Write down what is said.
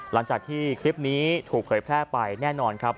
หลังจากที่คลิปนี้ถูกเผยแพร่ไปแน่นอนครับ